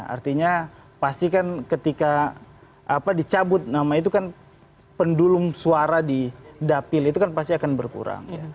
artinya pasti kan ketika dicabut nama itu kan pendulum suara di dapil itu kan pasti akan berkurang